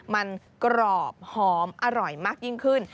มันกรอบหอมอร่อยมากยิ่งขึ้น